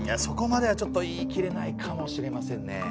そこまではちょっと言い切れないかもしれませんね。